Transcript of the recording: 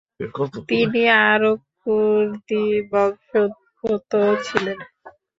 তিনি আরব বা কুর্দি বংশোদ্ভূত ছিলেন।